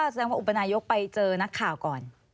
แสดงว่าอุปนายกไปเจอนักข่าวก่อน